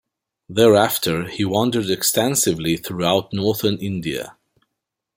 Thereafter he wandered extensively throughout Northern India.